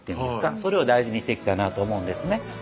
それを大事にしていきたいなと思うんですね